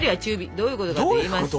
どういうことかといいますと。